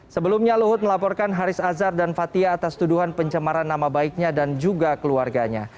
sebelumnya luhut melaporkan haris azhar dan fathia atas tuduhan pencemaran nama baiknya dan juga keluarganya